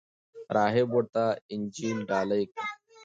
راهب ورته انجیل ډالۍ کړ.